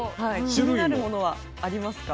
気になるものはありますか？